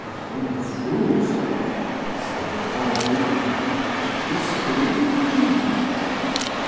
Confuse, said Bandouille, et distributive.